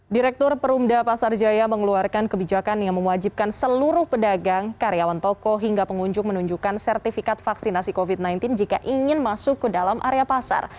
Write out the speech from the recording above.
direktur perumda pasar jaya mengeluarkan kebijakan yang mewajibkan seluruh pedagang karyawan toko hingga pengunjung menunjukkan sertifikat vaksinasi covid sembilan belas jika ingin masuk ke dalam area pasar